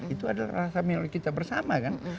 itu adalah rasa milik kita bersama kan